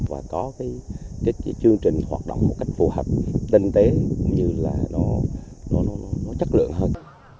và có cái chương trình hoạt động một cách phù hợp tinh tế cũng như là nó chất lượng hơn